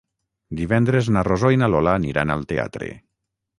Divendres na Rosó i na Lola aniran al teatre.